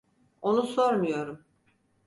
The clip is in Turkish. Onu sormuyorum.